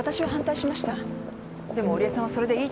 でも織江さんはそれでいいって言うんです。